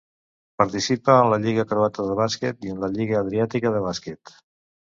Participa en la Lliga croata de bàsquet i en la Lliga Adriàtica de bàsquet.